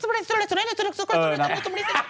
หาเรื่องนี้